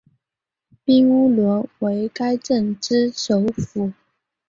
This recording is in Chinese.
彬乌伦为该镇之首府。